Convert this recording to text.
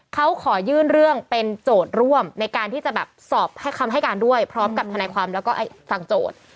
เขาขอยื่นเรื่องเป็นโจทย์ร่วมในการที่จะแบบสอบให้คำให้การด้วยพร้อมกับทนายความแล้วก็ฟังโจทย์